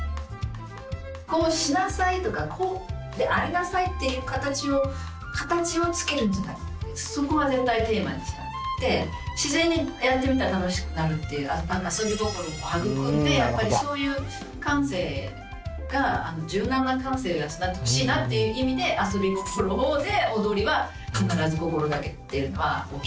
こうしなさいとかこうでありなさいっていう形をつけるんじゃなくてそこは絶対テーマにしなくって自然にやってみたら楽しくなるっていう遊び心も育んでやっぱりそういう感性が柔軟な感性が育ってほしいなっていう意味で遊び心で踊りは必ず心がけてるのは大きいですね。